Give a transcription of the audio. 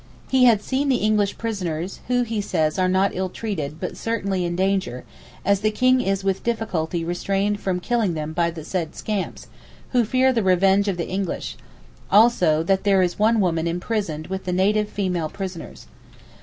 He had seen the English prisoners, who, he says, are not ill treated, but certainly in danger, as the King is with difficulty restrained from killing them by the said scamps, who fear the revenge of the English; also that there is one woman imprisoned with the native female prisoners.